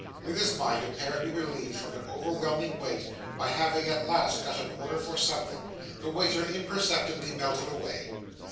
With his mind apparently relieved from an overwhelming weight, by having at last got an order for something, the waiter imperceptibly melted away.